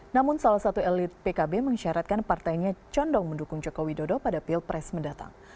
namun salah satu elit pkb mengisyaratkan partainya condong mendukung jokowi dodo pada pilpres mendatang